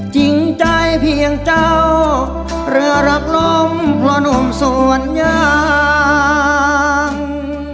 จริงใจเพียงเจ้าเหลือรักล้มพลนมสวนยาง